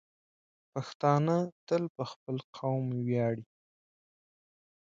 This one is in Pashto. پښتانه تل په خپل قوم ویاړي.